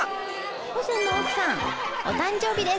ホセの奥さんお誕生日です。